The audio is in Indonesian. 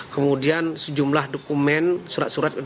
kemudian sejumlah dokumen surat surat